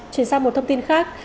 trên xa một thông tin khác